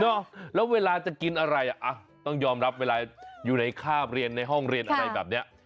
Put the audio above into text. แล้วเวลาจะกินอะไรอ่ะต้องยอมรับเวลาอยู่ในคาบเรียนในห้องเรียนอะไรแบบนี้